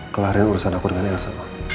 kelahirin urusan aku dengan elsa